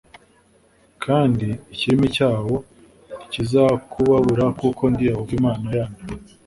kandi ikirimi cyawo ntikizakubabura Kuko ndi Yehova imana yanyu